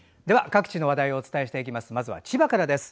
各地の話題をお伝えしていきます。